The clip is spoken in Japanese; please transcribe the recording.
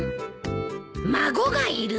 孫がいる？